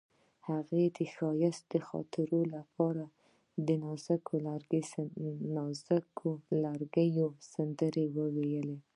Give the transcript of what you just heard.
هغې د ښایسته خاطرو لپاره د نازک لرګی سندره ویله.